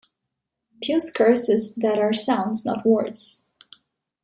Puce curses that are sounds not words.